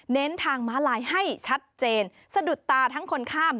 เน้นทางม้าลายให้ชัดเจนสะดุดตาทั้งคนข้าม